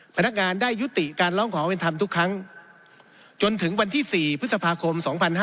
พนักงานได้ยุติการร้องขอเป็นธรรมทุกครั้งจนถึงวันที่๔พฤษภาคม๒๕๕๙